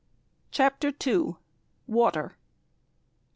CHAPTER II. WATER.